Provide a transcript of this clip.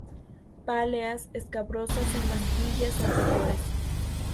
Páleas escabrosas en las quillas anteriores.